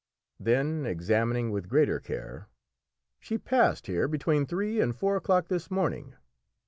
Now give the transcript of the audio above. Then examining with greater care "She passed here between three and four o'clock this morning."